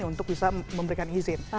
untuk bisa memberikan izin